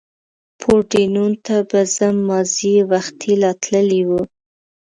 پورډېنون ته به ځم، مازې یې وختي لا تللي و.